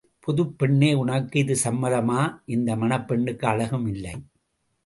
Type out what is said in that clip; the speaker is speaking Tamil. புதுப் பெண்ணே உனக்கு இது சம்மதமா? இந்த மணப்பெண்ணுக்கு அழகும் இல்லை.